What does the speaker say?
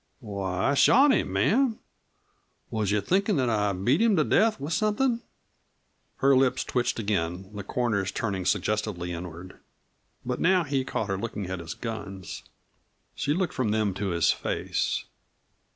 "Why I shot him, ma'am. Was you thinkin' that I beat him to death with somethin'?" Her lips twitched again, the corners turning suggestively inward. But now he caught her looking at his guns. She looked from them to his face.